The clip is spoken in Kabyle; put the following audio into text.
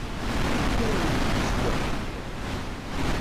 Ur awent-ttwehhiɣ.